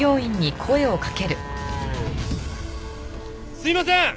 すいません！